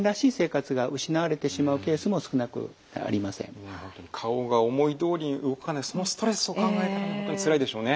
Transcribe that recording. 更に顔が思いどおりに動かないそのストレスを考えたら本当につらいでしょうね。